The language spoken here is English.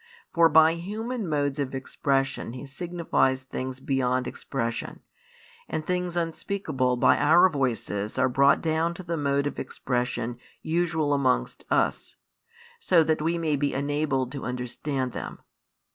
For by human modes of expression He signifies things beyond expression, and things unspeakable by our voices are brought down to the mode of expression usual amongst |95 us, so that we may be enabled to understand them.